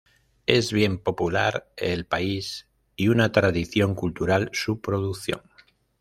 Es bien popular en el país y una tradición cultural su producción.